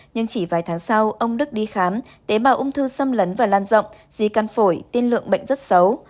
nhưng chỉ vài tháng sau ông đức đi khám tế bào ung thư xâm lấn và lan rộng di căn phổi tiên lượng bệnh rất xấu